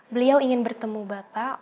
beliau ingin bertemu bapak